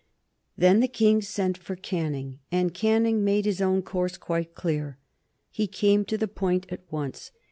Then the King sent for Canning, and Canning made his own course quite clear. He came to the point at once.